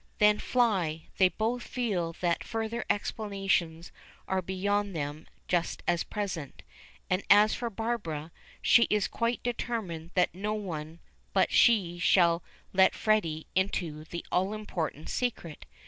They fly. They both feel that further explanations are beyond them just as present; and as for Barbara, she is quite determined that no one but she shall let Freddy into the all important secret.